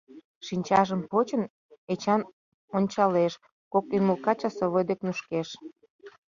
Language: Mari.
Шинчажым почын, Эчан ончалеш: кок ӱмылка часовой дек нушкеш...